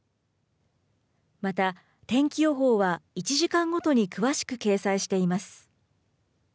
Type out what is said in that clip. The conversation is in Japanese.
また天気予報は１時間ごとに詳しく掲載しています。